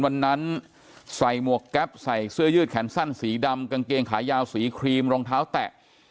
วันนั้นใส่หมวกแก๊ปใส่เสื้อยืดแขนสั้นสีดำกางเกงขายาวสีครีมรองเท้าแตะ